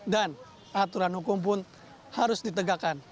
dan aturan hukum pun harus ditegakkan